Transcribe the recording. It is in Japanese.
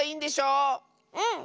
うん。